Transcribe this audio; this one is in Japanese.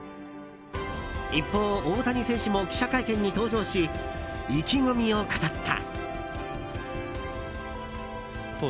一方、大谷選手も記者会見に登場し意気込みを語った。